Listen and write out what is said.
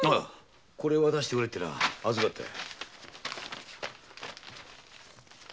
これを渡してくれって預かったよ。